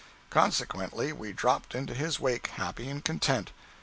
Consequently we dropped into his wake happy and content.